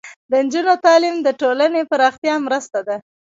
د نجونو تعلیم د ټولنې پراختیا مرسته ده.